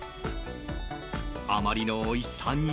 あまりのおいしさに。